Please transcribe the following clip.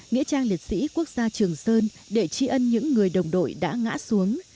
nghĩa trang liệt sĩ quốc gia trường sơn để tri ân những người đồng đội đã ngã xuống